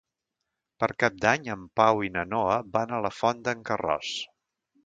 Per Cap d'Any en Pau i na Noa van a la Font d'en Carròs.